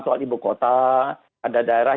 soal ibu kota ada daerah